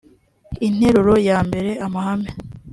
interuro ya mbere amahame